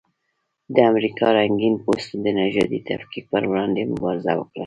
د امریکا رنګین پوستو د نژادي تفکیک پر وړاندې مبارزه وکړه.